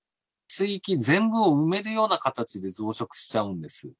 水域全部を埋めるような形で増殖しちゃうんです。